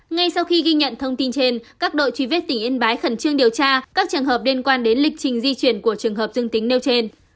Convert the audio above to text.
ngay sau khi ghi nhận thông tin trên các đội truy viết tỉnh yên bái khẩn trương điều tra các trường hợp liên quan đến lịch trình di chuyển của trường hợp dương tính nêu trên